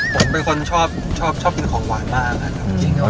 ผมเป็นคนชอบชอบกินของหวานมากนะครับ